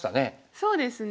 そうですね